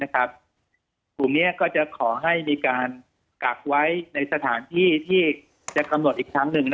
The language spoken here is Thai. กลุ่มนี้ก็จะขอให้มีการกักไว้ในสถานที่ที่จะกำหนดอีกครั้งหนึ่ง